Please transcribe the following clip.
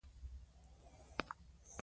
افغانستان به له نورو هېوادونو سره سیالي وکړي.